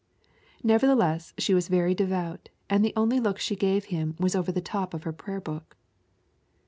Nevertheless, she was very devout, and the only look she gave him was over the top of her prayer book.